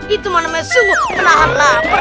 itu mah namanya sungguh penahan lapar